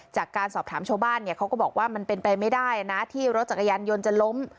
จากการสอบถามชาวบ้านเนี่ยเขาก็บอกว่ามันเป็นไปไม่ได้นะที่รถจักรยานยนต์จะล้ม